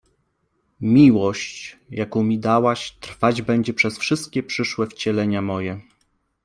Miłość, jaką mi dałaś, trwać będzie przez wszystkie przyszłe wcielenia moje.